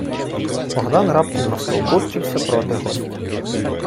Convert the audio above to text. Богдан раптом настовбурчився проти гостя: